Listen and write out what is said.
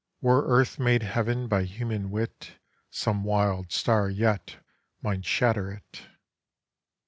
Were earth made Heaven by human wit, Some wild star yet might shatter it.